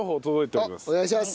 お願いします！